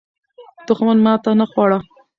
دښمن ماته نه خوړه.